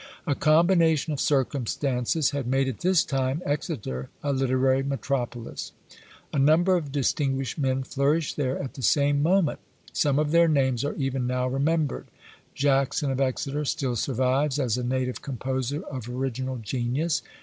A combination of circumstances had made at this time Exeter a literary metropolis. A number of distinguished men flourished there at the same moment: some of their names are even now remembered. Jackson of Exeter still survives as a native composer of original genius.